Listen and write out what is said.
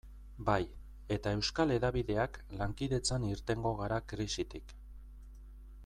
Bai, eta euskal hedabideak lankidetzan irtengo gara krisitik.